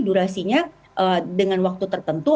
durasinya dengan waktu tertentu